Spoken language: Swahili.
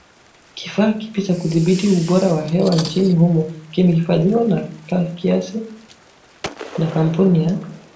Kifaa kipya cha kudhibiti ubora wa hewa nchini humo kimefadhiliwa kwa kiasi na kampuni ya